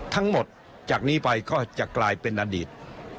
ทั้งหมดจากนี้ไปก็จะกลายเป็นอดีต